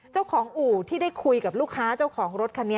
อู่ที่ได้คุยกับลูกค้าเจ้าของรถคันนี้